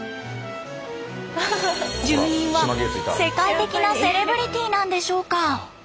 住人は世界的なセレブリティーなんでしょうか？